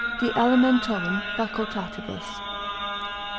de alimentorum facultatibus.